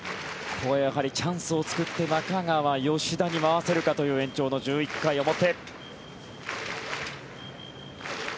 やはりチャンスを作って中川、吉田に回せるかという延長の１１回表。